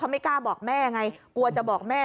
ไม่กล้าบอกแม่ไงกลัวจะบอกแม่